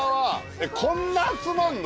えっこんな集まんの？